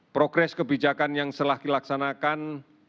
progres kebijakan yang telah dilaksanakan